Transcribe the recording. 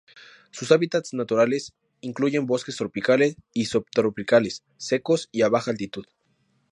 Sus hábitats naturales incluyen bosques tropicales o subtropicales secos y a baja altitud.